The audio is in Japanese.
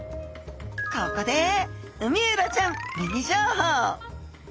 ここでウミエラちゃんミニ情報！